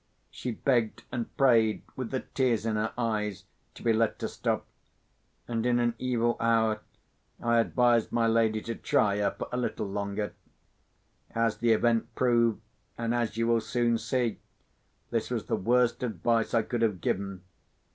She begged and prayed, with the tears in her eyes, to be let to stop; and, in an evil hour, I advised my lady to try her for a little longer. As the event proved, and as you will soon see, this was the worst advice I could have given.